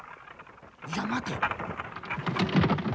いや待てよ。